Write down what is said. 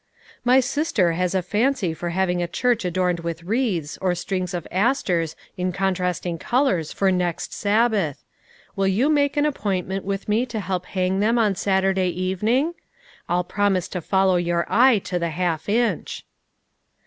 " My sister has a fancy for having the church adorned with wreaths or strings of asters in con trasting colors for next Sabbath ; will you make an appointment with me to help hang them on Saturday evening? I'll promise to follow your eye to the half inch."